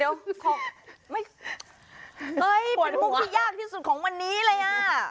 เดี๋ยวเป็นมุกที่ยากที่สุดของวันนี้เลยอ่ะ